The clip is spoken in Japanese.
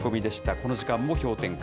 この時間も氷点下。